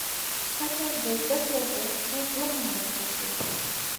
قطر د زده کړې او سپورټ دواړو ملاتړ کوي.